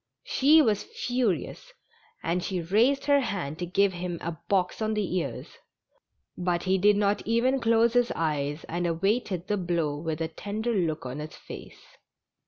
She was furious, and raised her hand to give him a box on the ears, but he did not even close his eyes, and awaited the blow with a tender look on his face.